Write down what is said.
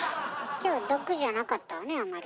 今日毒じゃなかったわねあんまり。